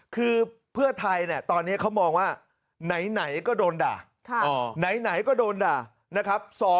คือเพื่อไทยตอนนี้เขามองว่าไหนก็โดนด่าไหนก็โดนด่านะครับ